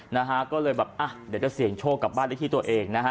นะฮะก็เลยแบบอ่ะเดี๋ยวจะเสี่ยงโชคกลับบ้านได้ที่ตัวเองนะฮะ